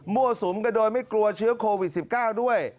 สุมกันโดยไม่กลัวเชื้อโควิด๑๙ด้วย